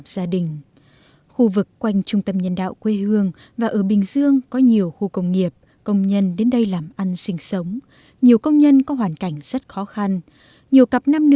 gần bốn trăm linh trẻ ở trung tâm nhân đạo quê hương thuộc thị xã dĩ an bình dương làm bốn trăm linh hoàn cảnh khác nhau